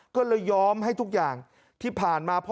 ก็ยอมให้ทุกอย่างที่ผ่านมา